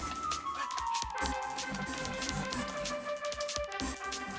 mak ini iman